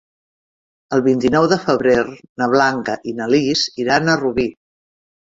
El vint-i-nou de febrer na Blanca i na Lis iran a Rubí.